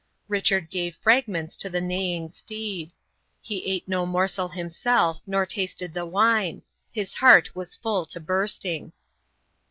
Richard gave fragments to the neighing steed. He ate no morsel himself, nor tasted the wine. His heart was full to bursting.